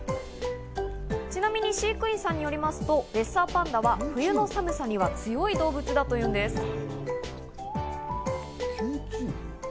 ちなみに飼育員さんによりますとレッサーパンダは冬の寒さには強い動物だというんです。